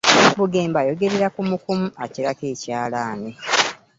Bugembe ayogerera kumukumu akirako ekyalaani.